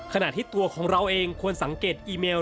ขณะที่ตัวของเราเองควรสังเกตอีเมล